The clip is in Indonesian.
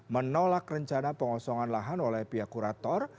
menolak rencana pengosongan lahan oleh pihak kurator